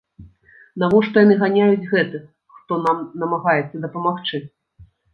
Навошта яны ганяюць гэтых, хто нам намагаецца дапамагчы?!